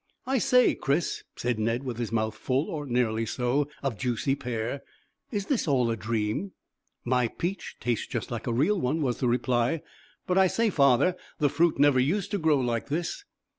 "I say, Chris," said Ned, with his mouth full, or nearly so, of juicy pear, "is this all a dream?" "My peach tastes just like a real one," was the reply. "But I say, father, the fruit never used to grow like this."